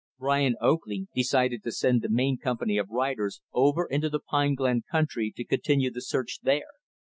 Brian Oakley decided to send the main company of riders over into the Pine Glen country, to continue the search there.